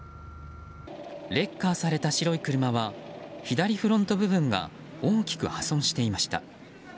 レッカーされた白い車は左フロント部分が大きく破損していました。